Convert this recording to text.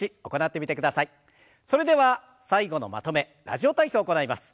それでは最後のまとめ「ラジオ体操」を行います。